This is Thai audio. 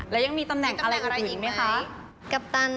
แล้วยังมีตำแหน่งอะไรอีกไหมคะ